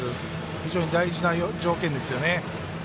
非常に大事な条件です。